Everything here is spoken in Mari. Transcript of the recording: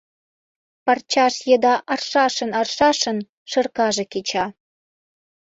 Парчаж еда аршашын-аршашын шыркаже кеча.